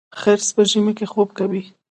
خرس په ژمي کې خوب کوي